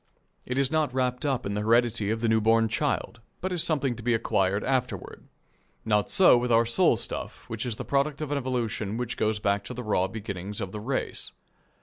It is not wrapped up in the heredity of the new born child, but is something to be acquired afterward. Not so with our soul stuff, which is the product of an evolution which goes back to the raw beginnings of the race.